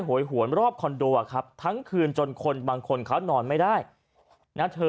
โหยหวนรอบคอนโดอ่ะครับทั้งคืนจนคนบางคนเขานอนไม่ได้นะเธอ